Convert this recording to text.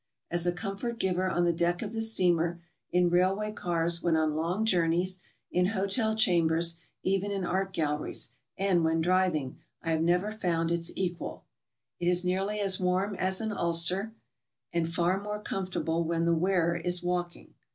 As a comfort giver on the deck of the steamer, in railway cars when on long journeys, in hotel chambers, even in art gal leries, and when driving, I have never found its equal. It is nearly as warm as an ulster and far more comfortable when the wearer is walking.